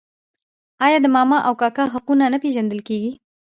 آیا د ماما او کاکا حقونه نه پیژندل کیږي؟